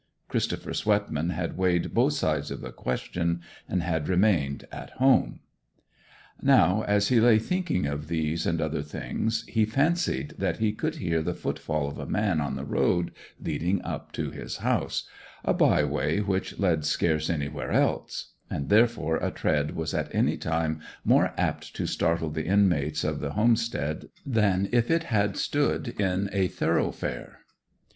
Christopher Swetman had weighed both sides of the question, and had remained at home. Now as he lay thinking of these and other things he fancied that he could hear the footfall of a man on the road leading up to his house a byway, which led scarce anywhere else; and therefore a tread was at any time more apt to startle the inmates of the homestead than if it had stood in a thoroughfare.